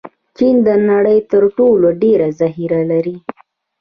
چین د نړۍ تر ټولو ډېر ذخیره لري.